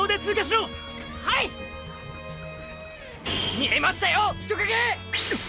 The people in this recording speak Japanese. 見えましたよ人影！！